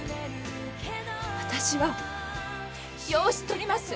私は養子とります。